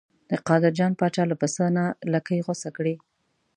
د قادر جان پاچا له پسه نه لکۍ غوڅه کړې.